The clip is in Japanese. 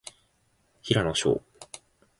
平野紫耀